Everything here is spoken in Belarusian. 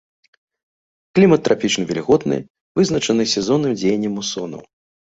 Клімат трапічны вільготны, вызначаны сезонным дзеяннем мусонаў.